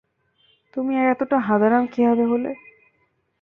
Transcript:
তুমি এতটা হাঁদারাম কীভাবে হলে?